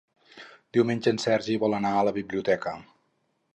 Diumenge en Sergi vol anar a la biblioteca.